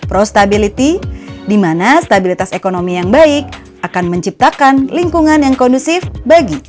prostability di mana stabilitas ekonomi yang baik akan menciptakan lingkungan yang kondusif bagi